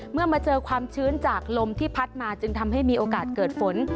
เมื่อมาเจอความชื้นจากลมที่พัดมาจึงทำให้มีโอกาสเกิดฝน